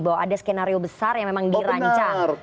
bahwa ada skenario besar yang memang dirancang